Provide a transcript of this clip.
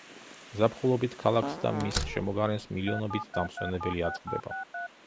ზაფხულობით ქალაქს და მის შემოგარენს მილიონობით დამსვენებელი აწყდება.